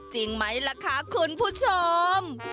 จริงไหมล่ะคะคุณผู้ชม